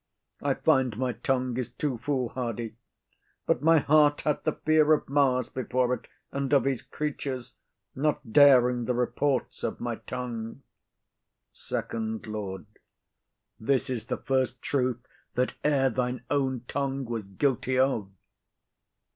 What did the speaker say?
I find my tongue is too foolhardy, but my heart hath the fear of Mars before it, and of his creatures, not daring the reports of my tongue. FIRST LORD. [Aside.] This is the first truth that e'er thine own tongue was guilty of.